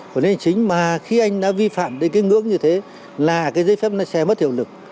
quản lý hành chính mà khi anh đã vi phạm đến cái ngưỡng như thế là cái giấy phép này sẽ mất hiệu lực